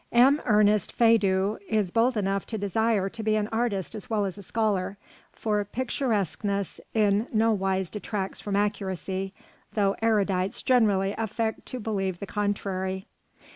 M. Ernest Feydeau is bold enough to desire to be an artist as well as a scholar; for picturesqueness in no wise detracts from accuracy, though erudites generally affect to believe the contrary.